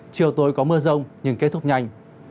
chiều tối có mưa rông nhưng kết thúc nhanh